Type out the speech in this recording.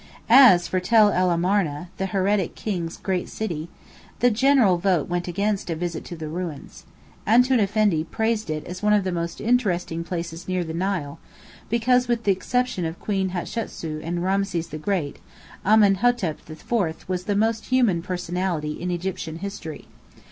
As for Tell el Marna, the Heretic King's great city, the general vote went against a visit to the ruins. Antoun Effendi praised it as one of the most interesting places near the Nile, because with the exception of Queen Hatasu and Rameses the Great, Amen hetep IV was the most human personality in Egyptian history.